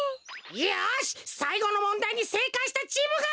よしさいごのもんだいにせいかいしたチームが。